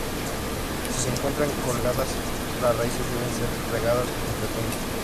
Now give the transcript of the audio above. Si se encuentran colgadas las raíces deben ser regadas con frecuencia.